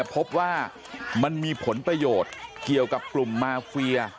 พบว่ามันมีผลประโยชน์เกี่ยวกับกลุ่มมาเฟีย